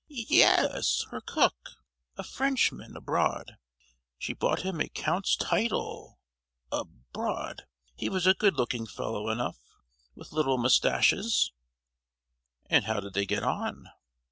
"Ye—yes, her cook, a Frenchman, abroad. She bought him a count's title a—broad; he was a good looking fellow enough, with little moustaches——" "And how did they get on?"